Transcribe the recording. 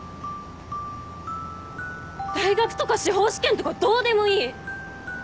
大学とか司法試験とかどうでもいい。